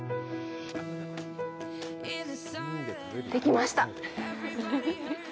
できました。